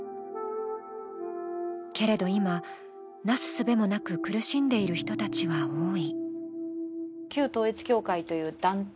けれど、今、なすすべもなく苦しんでいる人たちは多い。